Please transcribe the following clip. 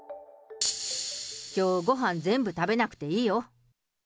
きょうごはん全部食べなくていいよ。